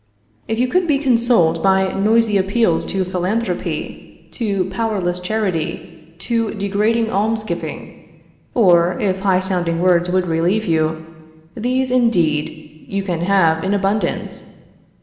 If you could be consoled by noisy appeals to philanthropy, to powerless charity, to degrading alms giving, or if high sounding words would relieve you, these indeed you can have in abundance.